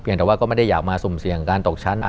แต่ว่าก็ไม่ได้อยากมาสุ่มเสี่ยงการตกชั้น